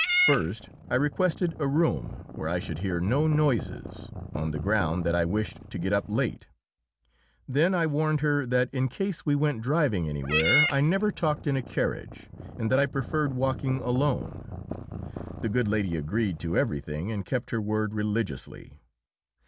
First I requested a room where I should hear no noises, on the ground that I wished to get up late. Then I warned her that in case we went driving anywhere I never talked in a carriage, and that I preferred walking alone. The good lady agreed to everything and kept her word religiously.